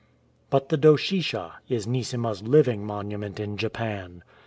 *'"' But the Doshisha is Neesima's living monument in Japan.